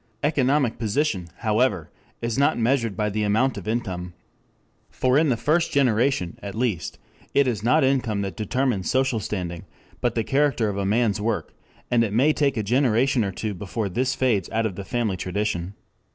Economic position, however, is not measured by the amount of income. For in the first generation, at least, it is not income that determines social standing, but the character of a man's work, and it may take a generation or two before this fades out of the family tradition.